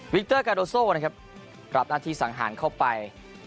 วิคเตอร์กาโดโซ่กลับหน้าที่สังหารเข้าไป